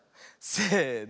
せの。